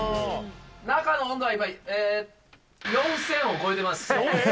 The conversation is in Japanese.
中の温度は今、４０００を超えてます。